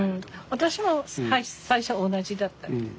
私も最初同じだった。